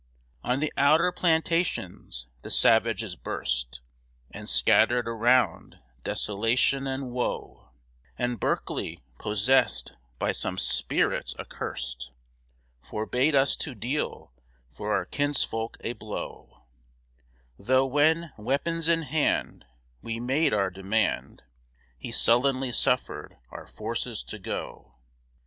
On the outer plantations the savages burst, And scattered around desolation and woe; And Berkeley, possessed by some spirit accurst, Forbade us to deal for our kinsfolk a blow; Though when, weapons in hand, We made our demand, He sullenly suffered our forces to go.